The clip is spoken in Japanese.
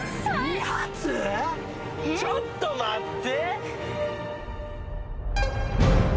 ２発⁉ちょっと待って！